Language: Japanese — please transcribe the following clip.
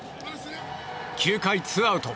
９回ツーアウト。